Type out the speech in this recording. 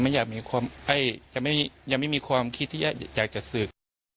เพราะว่าผมยังไม่มีความคิดที่แยกจะสืบ